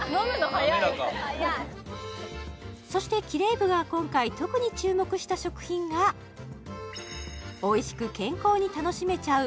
滑らかそしてキレイ部が今回特に注目した食品がおいしく健康に楽しめちゃう